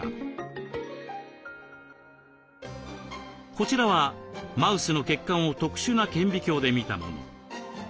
こちらはマウスの血管を特殊な顕微鏡で見たもの。